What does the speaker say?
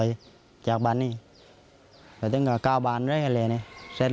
สุดท้ายว่าที่นายจะถึงหมู่เมาเกิดขึ้นรอด